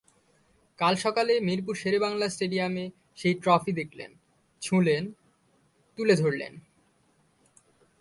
কাল সকালে মিরপুর শেরেবাংলা স্টেডিয়ামে সেই ট্রফি দেখলেন, ছুঁলেন, তুলে ধরলেন।